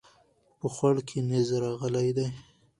په خوړ کې نيز راغلی دی